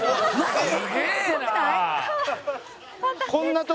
「すげえな！」